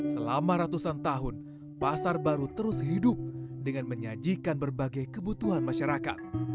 selama ratusan tahun pasar baru terus hidup dengan menyajikan berbagai kebutuhan masyarakat